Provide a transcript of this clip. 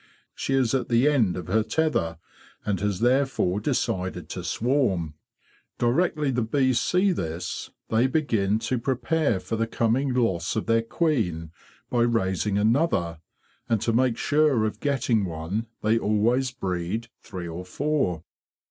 She is at the end of her tether, and has therefore decided to swarm. Directly the bees see this they begin to prepare for the coming loss of their queen by raising another, and to make sure of getting one they always breed three or four."